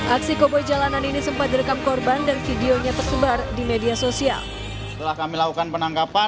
aksi koboi jalanan ini sempat direkam korban dan video nyatanya